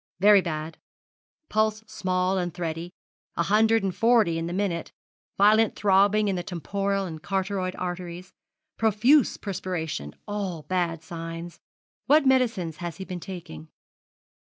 'Very bad; pulse small and thready a hundred and forty in the minute; violent throbbing in the temporal and carotid arteries; profuse perspiration all bad signs. What medicines has he been taking?'